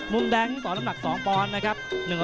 มุมแดงต่อน้ำหนัก๒ปอนด์นะครับ